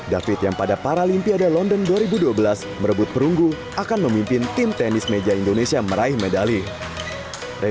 david yang pada paralimpiade london dua ribu dua belas merebut perunggu akan memimpin tim tenis meja indonesia meraih medali